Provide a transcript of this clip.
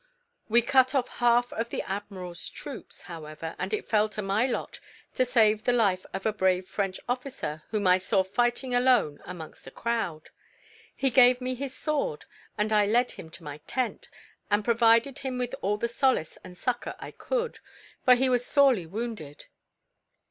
We cut off half of the admiral's troops, however, and it fell to my lot to save the life of a brave French officer whom I saw fighting alone amongst a crowd. He gave me his sword; and I led him to my tent, and provided him with all the solace and succour I could, for he was sorely wounded.